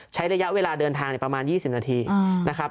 ใช้ระยะเวลาเดินทางประมาณ๒๐นาทีนะครับ